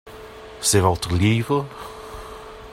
C’est votre livre ?